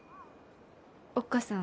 おっ母さん。